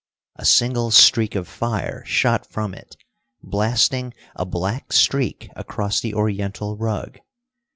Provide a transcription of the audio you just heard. A single streak of fire shot from it, blasting a black streak across the Oriental rug.